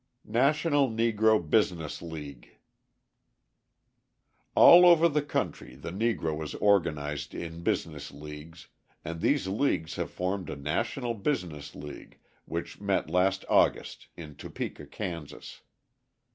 National Negro Business League All over the country the Negro is organised in business leagues and these leagues have formed a National Business League which met last August in Topeka, Kansas.